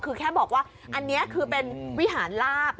คือแค่บอกว่าอันนี้คือเป็นวิหารลาบ